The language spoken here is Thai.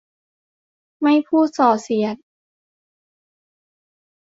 ไม่พูดส่อเสียด